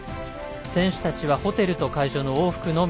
選手たちはホテルと会場の往復のみ。